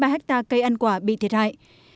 một tám mươi ba hectare cây ăn quả bị thiệt hại